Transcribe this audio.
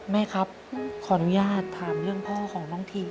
แม่ครับขออนุญาตถามเรื่องพ่อของน้องที